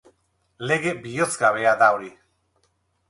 Lege bihozgabea da hori.